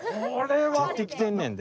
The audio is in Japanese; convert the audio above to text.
出てきてんねんで。